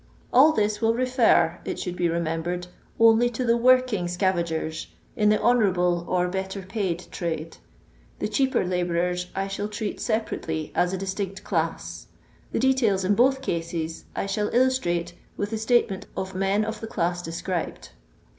All this will refer, it should be remem bered, only to the working scaTngers in the hononrable or better paid trade; the cheaper hbourers I shall treat separately as a distinct dass; the details in both cases I shall illostiate with the statement of men of the dui de scribed.